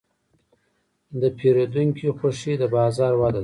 د پیرودونکي خوښي د بازار وده ده.